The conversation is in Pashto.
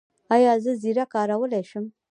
ایا زه زیره کارولی شم؟